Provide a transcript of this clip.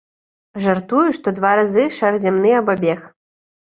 Жартую, што два разы шар зямны абабег.